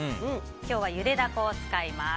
今日はゆでダコを使います。